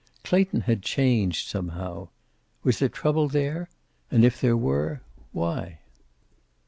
Clayton had changed, somehow. Was there trouble there? And if there were, why?